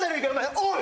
おい！